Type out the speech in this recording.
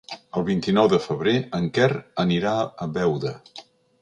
El vint-i-nou de febrer en Quer anirà a Beuda.